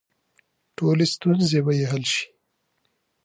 ټولې ستونزې به یې حل شي.